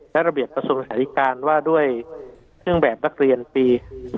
และระเบียบประสงค์ศาลิการณ์ว่าด้วยเครื่องแบบนักเรียนปี๒๕๕๑